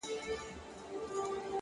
حقیقت ورو خو تل ځان ښکاره کوي!.